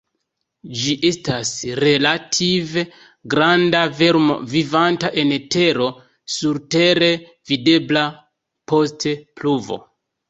Ĝi estas relative granda vermo vivanta en tero, surtere videbla post pluvo.